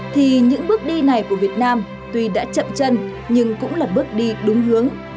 thì những bước đi này của việt nam tuy đã chậm chân nhưng cũng là bước đi đúng hướng